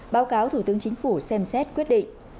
báo cáo thủ tướng chính phủ xem xét quyết định